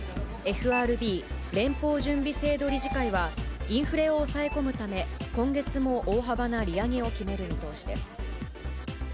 ＦＲＢ・連邦準備制度理事会は、インフレを抑え込むため、今月も大幅な利上げを決める見通しです。